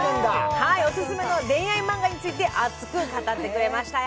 オススメの恋愛マンガについて、熱く語ってくれましたよ。